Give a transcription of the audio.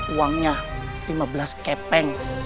uangnya lima belas kepeng